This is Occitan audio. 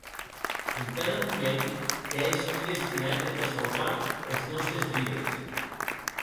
En cada moment, qu’ès tu destinat entà sauvar es nòstes vides.